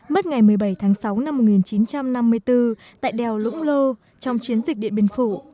mất ngày một mươi bảy tháng sáu năm một nghìn chín trăm năm mươi bốn tại đèo lũng lô trong chiến dịch điện biên phủ